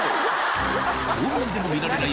島民でも見られない